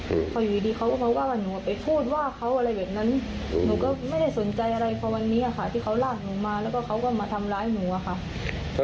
อืมพออยู่ดีเขาก็มาว่าหนูไปพูดว่าเขาอะไรแบบนั้นหนูก็ไม่ได้สนใจอะไรพอวันนี้อ่ะค่ะที่เขาลากหนูมาแล้วก็เขาก็มาทำร้ายหนูอะค่ะ